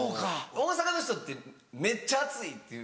大阪の人って「めっちゃ暑い」って言う。